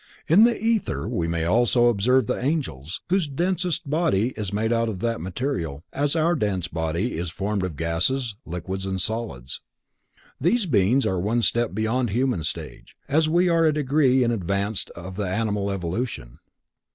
In the ether we may also observe the angels, whose densest body is made of that material, as our dense body is formed of gases, liquids and solids. These beings are one step beyond the human stage, as we are a degree in advance of the animal evolution.